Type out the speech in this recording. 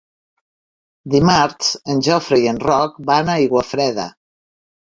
Dimarts en Jofre i en Roc van a Aiguafreda.